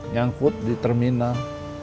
nyangkut di terminal